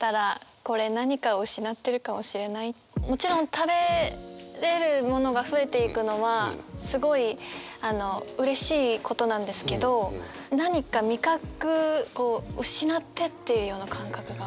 もちろん食べれるものが増えていくのはすごいうれしいことなんですけど何か味覚失ってっているような感覚が。